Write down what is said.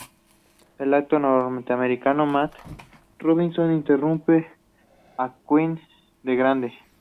El actor norteamericano Matt Robinson interpretó a Kent de grande.